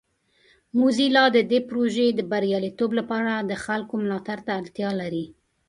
موزیلا د دې پروژې د بریالیتوب لپاره د خلکو ملاتړ ته اړتیا لري.